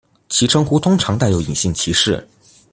其称呼通常带有隐性歧视。